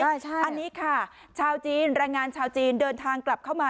อันนี้ค่ะชาวจีนแรงงานชาวจีนเดินทางกลับเข้ามา